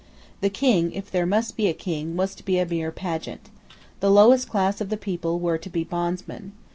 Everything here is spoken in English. The King, if there must be a King, was to be a mere pageant. The lowest class of the people were to be bondsmen.